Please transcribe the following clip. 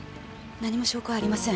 何も証拠はありません。